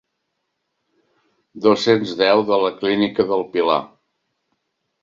Dos-cents deu de la clínica del Pilar.